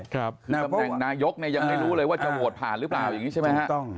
คือตำแหน่งนายกเนี่ยยังไม่รู้เลยว่าจะโหวตผ่านหรือเปล่าอย่างนี้ใช่ไหมฮะ